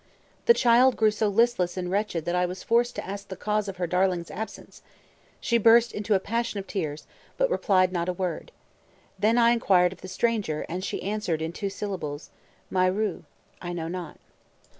The child grew so listless and wretched that I was forced to ask the cause of her darling's absence; she burst into a passion of tears, but replied not a word. Then I inquired of the stranger, and she answered in two syllables, My ru ("I know not").